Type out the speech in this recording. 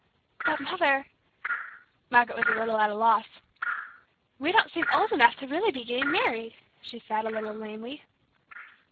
"But, Mother " Margaret was a little at a loss. "We don't seem old enough to really be getting married!" she said, a little lamely.